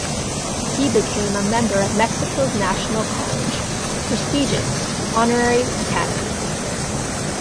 He became a member of Mexico's National College, a prestigious honorary academy.